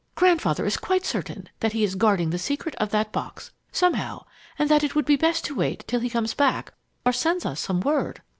Grandfather is quite certain that he is guarding the secret of that box, somehow, and that it would be best to wait till he comes back or sends us some word.